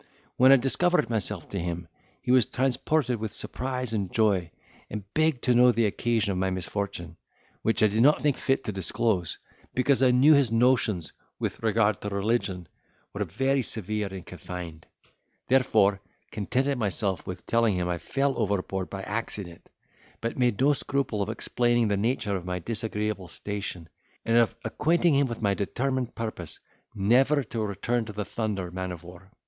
When I discovered myself to him, he was transported with surprise and joy, and begged to know the occasion of my misfortune, which I did not think fit to disclose, because I knew his notions with regard to religion were very severe and confined; therefore contented myself with telling him I fell overboard by accident; but made no scruple of explaining the nature of my disagreeable station, and of acquainting him with my determined purpose never to return to the Thunder man of war.